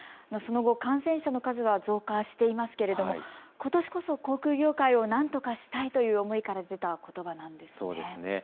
その後、感染者の数は増加していますけれども、ことしこそ航空業界をなんとかしたいという思いから出たことばなんですよね。